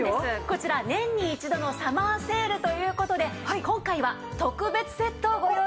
こちら年に一度のサマーセールという事で今回は特別セットをご用意致しましたよ！